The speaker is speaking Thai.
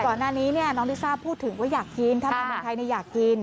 ก่อนหน้านี้น้องลิซ่าพูดถึงว่าอยากกินถ้ามาเมืองไทยอยากกิน